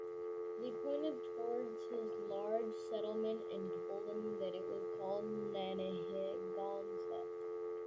They pointed toward this large settlement and told him that it was called Nanihigonset.